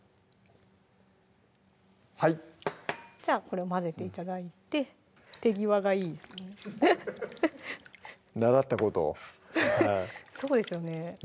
はいじゃあこれを混ぜて頂いて手際がいいですね習ったことをそうですよね